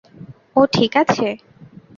ও ঠিক আছে?